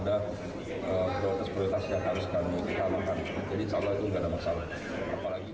jadi insya allah itu tidak ada masalah